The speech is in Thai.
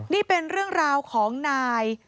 นี่เป็นเรื่องราวของนาย